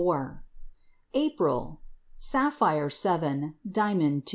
April Sapphire 7, diamond 2.